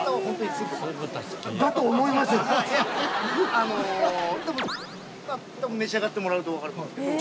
あのでも召し上がってもらうと分かると思うんですけど。